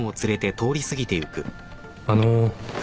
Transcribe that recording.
あの。